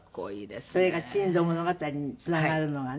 それが『珍島物語』につながるのがね。